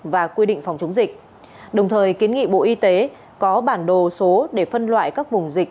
và quy định phòng chống dịch đồng thời kiến nghị bộ y tế có bản đồ số để phân loại các vùng dịch